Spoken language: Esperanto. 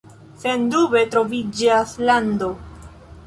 Sendube troviĝas lando.“